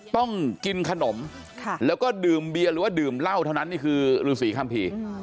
ต้องกินขนมแล้วก็ดื่มเบียร์หรือว่าดื่มเหล้าเท่านั้นนี่คือฤษีคัมภีร์